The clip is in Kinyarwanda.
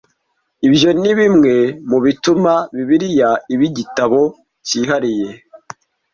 Ibyo ni bimwe mu bituma Bibiliya iba igitabo cyihariye.